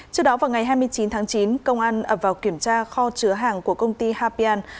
trước đó vào ngày hai mươi chín tháng chín công an ập vào kiểm tra kho chứa hàng của công ty hapian